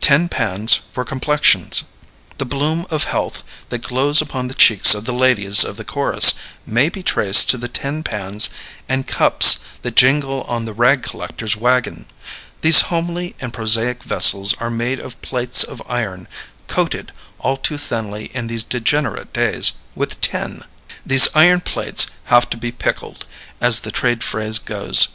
Tin Pans for Complexions. The bloom of health that glows upon the cheeks of the ladies of the chorus may be traced to the tin pans and cups that jingle on the rag collector's wagon. These homely and prosaic vessels are made of plates of iron, coated, all too thinly in these degenerate days, with tin. These iron plates have to be "pickled," as the trade phrase goes.